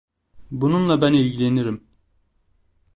Bununla ben ilgilenirim.